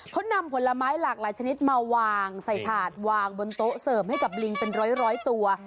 เขานำผลไม้หลากหลายชนิดมาวางใส่ถาดวางบนโต๊ะเสริมให้กับลิงเป็นร้อยตัว